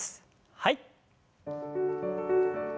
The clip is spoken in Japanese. はい。